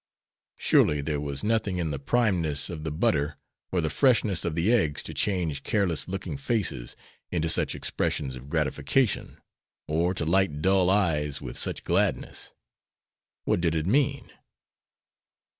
Surely there was nothing in the primeness of the butter or the freshness of the eggs to change careless looking faces into such expressions of gratification, or to light dull eyes with such gladness. What did it mean?